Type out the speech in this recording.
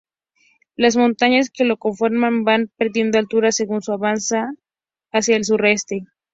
Las montañas que la conforman van perdiendo altura según se avanza hacia el sureste.